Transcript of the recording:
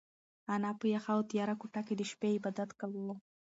انا په یخه او تیاره کوټه کې د شپې عبادت کاوه.